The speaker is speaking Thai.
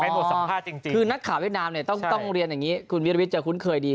บทสัมภาษณ์จริงคือนักข่าวเวียดนามเนี่ยต้องเรียนอย่างนี้คุณวิรวิทย์จะคุ้นเคยดี